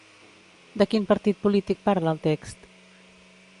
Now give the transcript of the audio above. De quin partit polític parla el text?